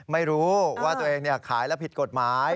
ไม่รู้ว่าตัวเองขายแล้วผิดกฎหมาย